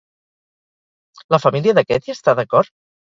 La família d'aquest hi està d'acord?